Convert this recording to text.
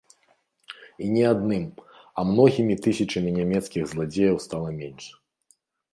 І не адным, а многімі тысячамі нямецкіх зладзеяў стала менш.